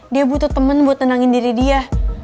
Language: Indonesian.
dia butuh temen buat nenangin diri dia